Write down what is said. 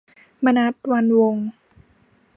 มนัส วรรณวงศ์